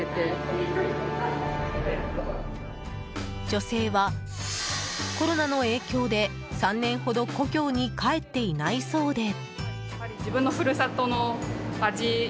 女性はコロナの影響で３年ほど故郷に帰っていないそうで。